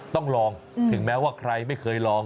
ต้องลองถึงแม้ว่าใครไม่เคยลอง